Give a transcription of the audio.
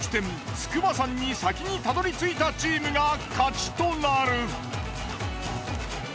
筑波山に先にたどりついたチームが勝ちとなる。